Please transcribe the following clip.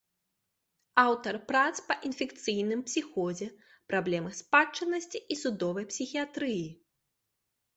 Аўтар прац па інфекцыйным псіхозе, праблемах спадчыннасці і судовай псіхіятрыі.